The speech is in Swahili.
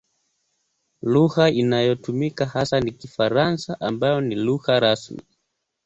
Lugha inayotumika hasa ni Kifaransa ambayo ni lugha rasmi.